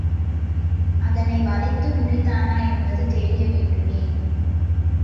அதனை வளைத்து முறித்தானா என்பது தெரியவேண்டுமே!